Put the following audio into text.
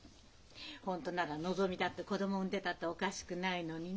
本当ならのぞみだって子供産んでたっておかしくないのにねえ。